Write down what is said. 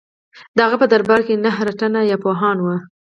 د هغه په دربار کې نهه رتن یا پوهان وو.